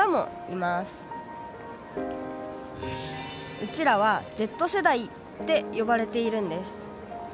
うちらはＺ世代って呼ばれているんです。